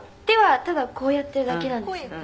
「手はただこうやってるだけなんです」